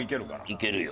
いけるよ